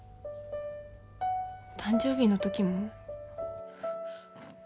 誕生日のときも。